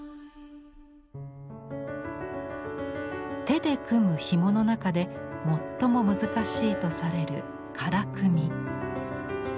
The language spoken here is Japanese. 手で組む紐の中で最も難しいとされる「唐組」。